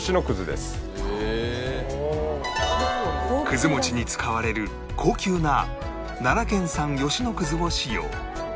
くず餅に使われる高級な奈良県産吉野を使用